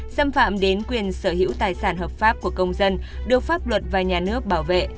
xâm phạm đến quyền sở hữu tài sản hợp pháp của công dân được pháp luật và nhà nước bảo vệ